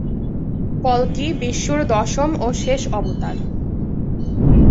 কল্কি বিষ্ণুর দশম ও শেষ অবতার।